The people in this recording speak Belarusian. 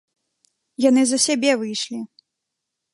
Яны за сябе выйшлі!